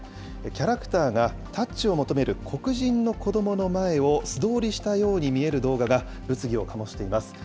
キャラクターがタッチを求める黒人の子どもの前を素通りしたように見える動画が物議を醸しています。